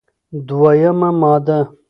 دوه یمه ماده: